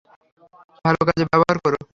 ভালো কাজে ব্যবহার কোরো।